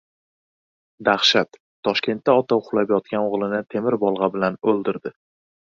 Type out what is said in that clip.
Dahshat! Toshkentda ota uxlab yotgan o‘g‘lini temir bolg‘a bilan o‘ldirdi